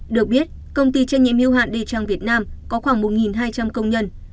được biết công ty trách nhiệm hưu hạn de trang việt nam có khoảng một hai trăm linh công nhân